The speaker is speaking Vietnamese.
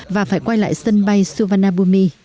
và phải quay lại sân bay suvarnabhumi